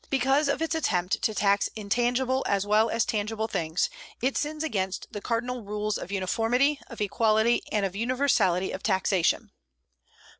Because of its attempt to tax intangible as well as tangible things, it sins against the cardinal rules of uniformity, of equality, and of universality of taxation.